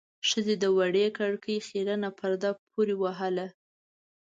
ښځې د وړې کړکۍ خيرنه پرده پورې وهله.